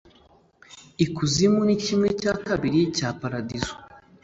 Ikuzimu ni kimwe cya kabiri cya paradizo.